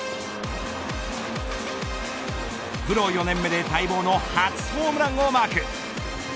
プロ４年目で待望の初ホームランをマーク。